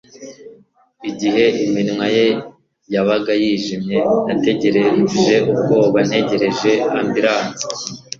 igihe iminwa ye yabaga yijimye, nategereje ubwoba ntegereje ambulance